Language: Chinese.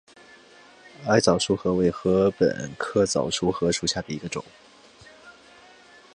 矮早熟禾为禾本科早熟禾属下的一个种。